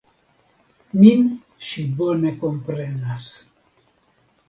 Min ŝi bone komprenas.